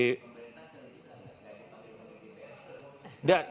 pemerintah sendiri bisa ada di dpr